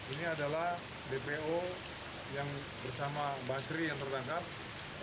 ini adalah dpo yang bersama basri yang tertangkap